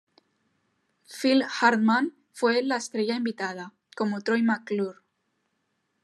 Phil Hartman fue la estrella invitada, como Troy McClure.